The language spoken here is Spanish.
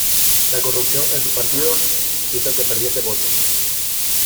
La corrupción en su partido, hizo que perdiese votos.